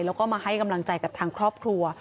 แล้วก็มาให้กำลังใจกับทางครอบครัว